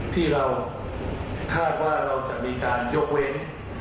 ที่เราคาดว่าเราจะมีการยกเว้น